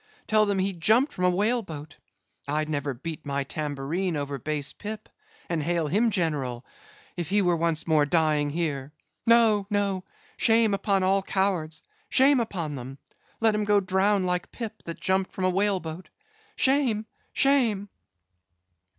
Tell them he jumped from a whale boat! I'd never beat my tambourine over base Pip, and hail him General, if he were once more dying here. No, no! shame upon all cowards—shame upon them! Let 'em go drown like Pip, that jumped from a whale boat. Shame! shame!"